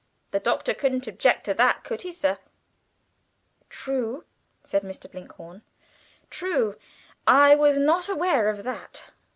The Doctor couldn't object to that, could he, sir?" "True," said Mr. Blinkhorn, "true. I was not aware of that.